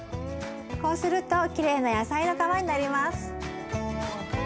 こうするときれいな野菜の皮になります。